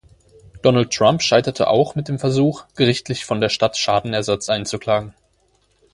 Donald Trump scheiterte auch mit dem Versuch, gerichtlich von der Stadt Schadenersatz einzuklagen.